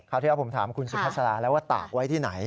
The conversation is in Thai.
คราวที่เราผมถามคุณสิทธิ์ภาษาแล้วว่าตากไว้ที่ไหน